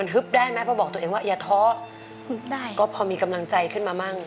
ฮึบได้ก็พอมีกำลังใจขึ้นมามั่ง